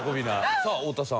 さあ太田さん。